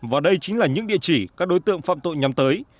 và đây chính là những địa chỉ các đối tượng phạm tội nhắm tới